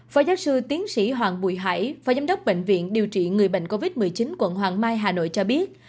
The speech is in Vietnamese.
phó giáo sư tiến sĩ hoàng bùi hải phó giám đốc bệnh viện điều trị người bệnh covid một mươi chín quận hoàng mai hà nội cho biết